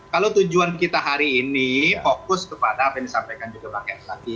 kalau tujuan kita hari ini fokus kepada apa yang disampaikan juga bang ks lagi